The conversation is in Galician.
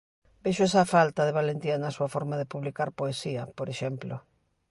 Vexo esa falta de valentía na súa forma de publicar poesía, por exemplo.